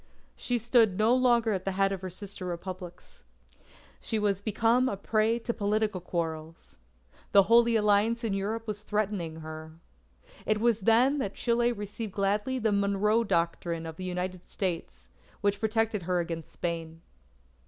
She stood no longer at the head of her sister Republics. She was become a prey to political quarrels. The Holy Alliance in Europe was threatening her. It was then that Chile received gladly the Monroe Doctrine of the United States, which protected her against Spain.